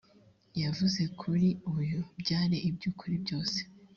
yavuze kuri uyu byari iby ukuri byose